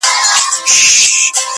را ایستل یې له قبرونو کفنونه؛